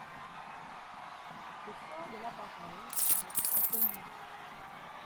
Le sort de l'appareil reste inconnu.